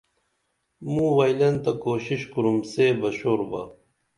موں وئیلن تہ کوشش کُرُم سے بہ شور با